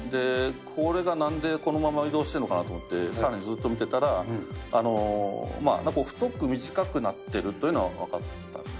これが、なんでこのまま移動してるのかなと思って、さらにずっと見てたら、太く短くなってるというのは分かったんです。